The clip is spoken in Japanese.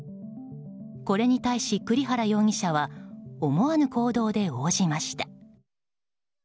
これに対し、栗原容疑者は思わぬ行動で応じました。